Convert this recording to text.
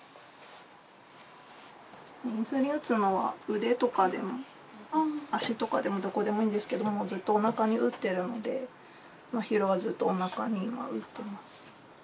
インスリンを打つのは腕とかでも足とかでもどこでもいいんですけどずっとおなかに打っているので真浩はずっとおなかに打っています。